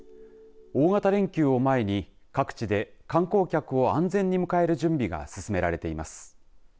大型連休を前に各地で観光客を安全に迎える準備が進められています。